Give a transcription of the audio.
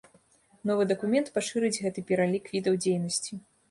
Новы дакумент пашырыць гэты пералік відаў дзейнасці.